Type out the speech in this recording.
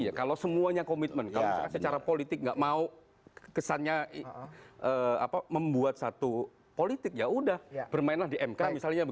iya kalau semuanya komitmen kalau misalnya secara politik nggak mau kesannya membuat satu politik ya udah bermainlah di mk misalnya